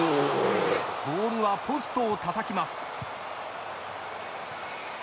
ボールはポストをたたきます。